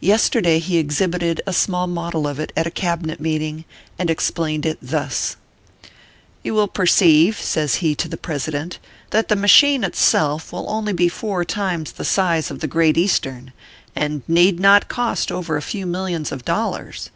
Yesterday he exhibited a small model of it at a cabinet meeting, and explained it thus :" You will perceive," says he to the President, " that the machine itself will only be four times the size cf the Great Eastern, and need not cost over a few millions of dollars.